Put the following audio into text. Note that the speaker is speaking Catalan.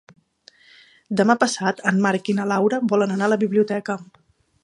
Demà passat en Marc i na Laura volen anar a la biblioteca.